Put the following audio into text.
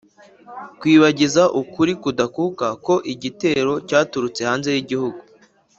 kwibagiza ukuri kudakuka ko igitero cyaturutse hanze y'igihugu.